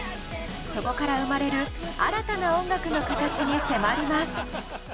そこから生まれる新たな音楽の形に迫ります。